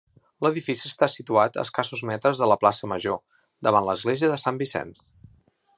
L'edifici està situat a escassos metres de la plaça Major, davant l'església de Sant Vicenç.